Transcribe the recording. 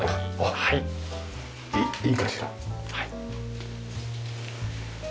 はい。